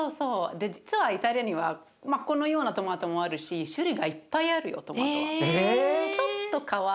で実はイタリアにはこのようなトマトもあるし種類がいっぱいあるよトマトは。へえ。